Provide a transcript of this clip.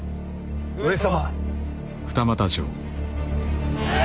上様。